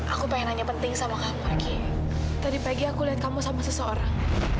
aku pengen nanya penting sama kamu lagi tadi pagi aku lihat kamu sama seseorang